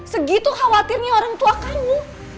segitu khawatirnya orang tua kamu